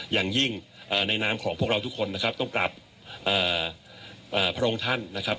อย่างยิ่งในนามของพวกเราทุกคนนะครับต้องกลับพระองค์ท่านนะครับ